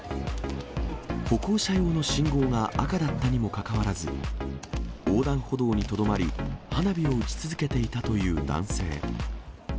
歩行者用の信号が赤だったにもかかわらず、横断歩道にとどまり、花火を打ち続けていたという男性。